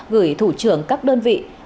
gửi thủ trưởng các đơn vị